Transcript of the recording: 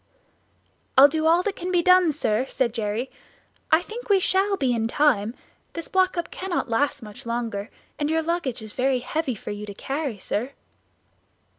"I'll do all that can be done, sir," said Jerry; "I think we shall be in time. This block up cannot last much longer, and your luggage is very heavy for you to carry, sir."